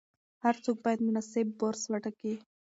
هر څوک باید مناسب برس وټاکي.